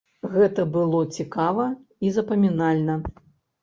Гэта было цікава і запамінальна.